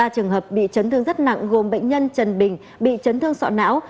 ba trường hợp bị chấn thương rất nặng gồm bệnh nhân trần bình bị chấn thương sọ não